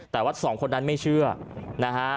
แต่ว่าสองคนนั้นไม่เชื่อนะฮะ